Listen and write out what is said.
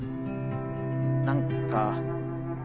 何か